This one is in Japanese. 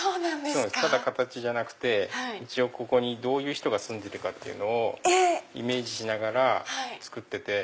ただ形じゃなくて一応ここにどういう人が住んでるのかをイメージしながら作ってて。